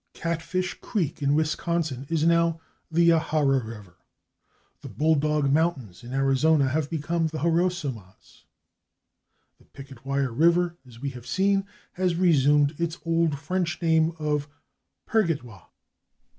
[Pg295] /Catfish/ creek, in Wisconsin, is now the /Yahara/ river; the /Bulldog/ mountains, in Arizona, have become the /Harosomas/; the /Picketwire/ river, as we have seen, has resumed its old French name of /Purgatoire